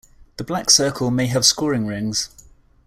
The black circle may have scoring rings.